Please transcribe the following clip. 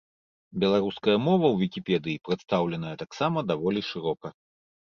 Беларуская мова ў вікіпедыі прадстаўленая таксама даволі шырока.